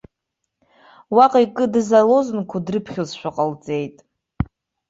Уаҟа икыдыз алозунгқәа дрыԥхьозшәа ҟалҵеит.